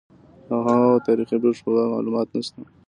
د هغه وخت تاریخي پېښو په باب معلومات نشته.